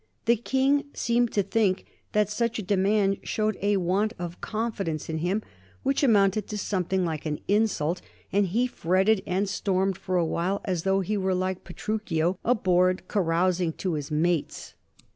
The King seemed to think that such a demand showed a want of confidence in him which amounted to something like an insult, and he fretted and stormed for a while as though he had been like Petruchio "aboard carousing to his mates."